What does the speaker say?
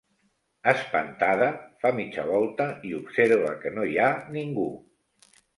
Espantada, fa mitja volta i observa que no hi ha ningú.